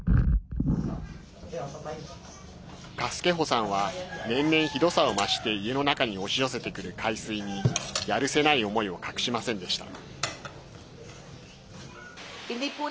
カスケホさんは年々ひどさを増して家の中に押し寄せてくる海水にやるせない思いを隠しませんでした。